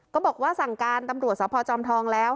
ก็บอกว่าสั่งการตำรวจสพจอมทองแล้ว